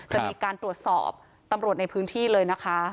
จะมีการตรวจสอบตำรวจในพื้นที่เลยนะคะ